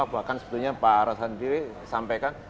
bahkan sebelumnya pak arad sendiri sampaikan